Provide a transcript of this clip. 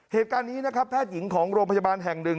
เหตุการณ์นี้แพทย์หญิงของโรงพยาบาลแห่ง๑